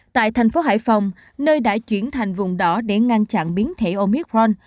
tại thành phố hải phòng nơi đã chuyển thành vùng đỏ để ngăn chặn biến thể omicron